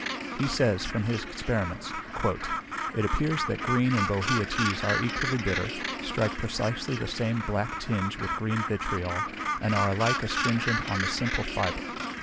He says, from his experiments, "it appears that green and bohea teas are equally bitter, strike precisely the same black tinge with green vitriol, and are alike astringent on the simple fibre.